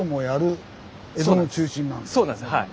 そうなんですはい。